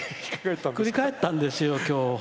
ひっくり返ったんですよ！